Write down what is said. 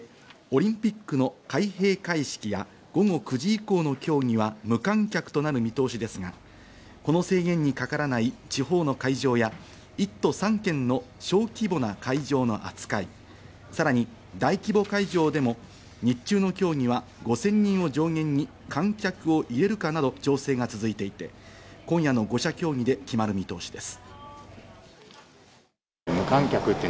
これを受けオリンピックの開閉会式や午後９時以降の競技は無観客となる見通しですが、この制限にかからない地方の会場や、１都３県の小規模な会場の扱い、さらに大規模会場でも日中の競技は５０００人を上限に観客を入れるかなど調整が続いていて、今夜の５者協議で決まる見通しです。